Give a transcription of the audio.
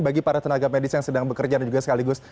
bagi para tenaga medis yang sedang bekerja dan juga sekaligus